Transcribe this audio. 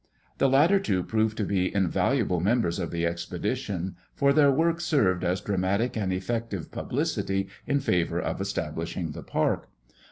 The latter two proved to be invaluable members of the expedition for their work served as dramatic and effective publicity in favor of establishing the park.